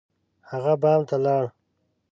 هغه بام ته لاړ.